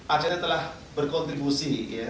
act telah berkontribusi